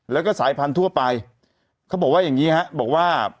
แล้วก็สายพันธุไปเขาบอกว่าอย่างนี้ฮะบอกว่า